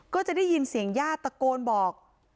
ก็จะได้ยินเสียงญาติตะโกนบอก